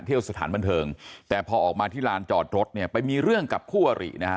เที่ยวสถานบันเทิงแต่พอออกมาที่ลานจอดรถเนี่ยไปมีเรื่องกับคู่อรินะฮะ